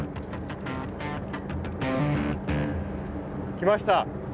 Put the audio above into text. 来ました？